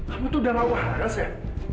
kamu tuh udah lawa haras ya